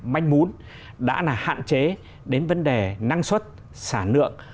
manh mún đã hạn chế đến vấn đề năng suất sản lượng